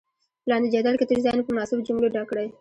په لاندې جدول کې تش ځایونه په مناسبو جملو ډک کړئ.